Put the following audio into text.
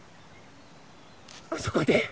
あそこで？